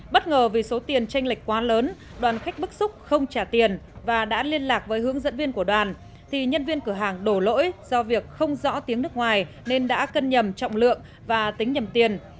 bất ngờ vì số tiền tranh lệch quá lớn đoàn khách bức xúc không trả tiền và đã liên lạc với hướng dẫn viên của đoàn thì nhân viên cửa hàng đổ lỗi do việc không rõ tiếng nước ngoài nên đã cân nhầm trọng lượng và tính nhầm tiền